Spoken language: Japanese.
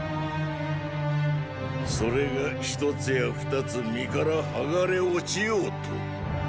それが一つや二つ身からはがれ落ちようとーー。